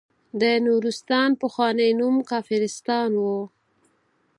د نورستان پخوانی نوم کافرستان وه.